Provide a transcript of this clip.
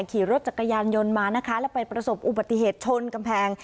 ขี่รถจักรยานยนต์มานะคะแล้วไปประสบอุบัติเหตุชนกำแพง